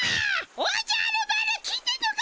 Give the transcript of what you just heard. おじゃる丸聞いてんのか！